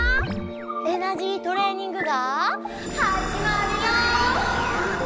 エナジートレーニングがはじまるよ！